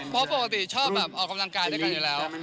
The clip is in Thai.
เพราะปกติชอบแบบออกกำลังกายด้วยกันอยู่แล้ว